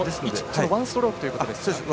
ワンストロークということですね。